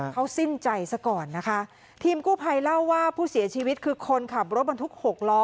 เขาสิ้นใจซะก่อนนะคะทีมกู้ภัยเล่าว่าผู้เสียชีวิตคือคนขับรถบรรทุกหกล้อ